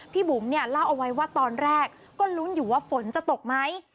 บุ๋มเนี่ยเล่าเอาไว้ว่าตอนแรกก็ลุ้นอยู่ว่าฝนจะตกไหม